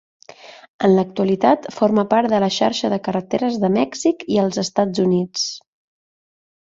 En l'actualitat forma part de la xarxa de carreteres de Mèxic i els Estats Units.